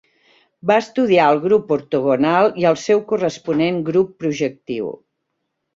Va estudiar el grup ortogonal i el seu corresponent grup projectiu.